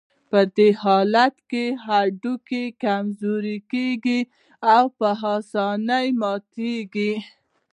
په دې حالت کې هډوکي کمزوري کېږي او په آسانۍ ماتېږي.